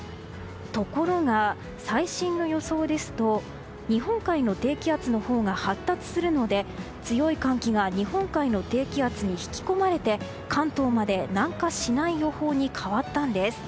ところが、最新の予想ですと日本海の低気圧のほうが発達するので強い寒気が日本海の低気圧に引き込まれて関東まで南下しない予報に変わったんです。